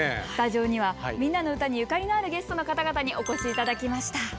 スタジオには「みんなのうた」にゆかりのあるゲストの方々にお越し頂きました。